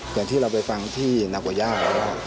อย่างที่เราไปฟังที่มงนักวะยาว